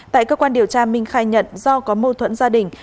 tại cơ quan điều tra minh khai nhận do có mâu thuẫn gia đình